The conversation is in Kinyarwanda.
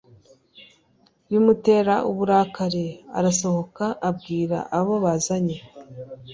bimutera uburakari Arasohoka abwira abo bazanye